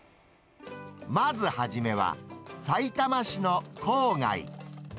まず初めは、さいたま市の郊外。